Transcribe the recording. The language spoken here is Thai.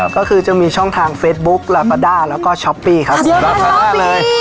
ก็คือจะมีช่องทางเฟสบุ๊กลาปาด้าแล้วก็ช็อปปี้ครับเดี๋ยวถ่ายห้าเลย